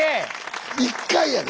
１回やで！